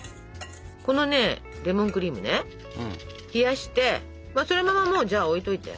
このレモンクリームね冷やしてそのままもうじゃあ置いといて。